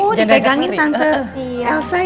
oh dipegangin tante elsa ya